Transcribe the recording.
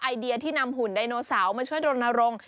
ไอเดียที่นำหุ่นไดโนเสาร์มาช่วยรณรงค์